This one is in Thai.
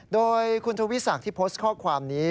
โดยคุณทวิศักดิ์ที่โพสต์ข้อความนี้